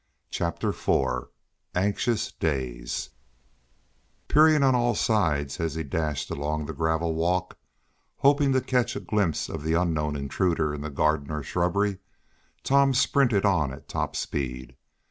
Chapter Four Anxious Days Peering on all sides as he dashed along the gravel walk, hoping to catch a glimpse of the unknown intruder in the garden or shrubbery, Tom sprinted on at top speed.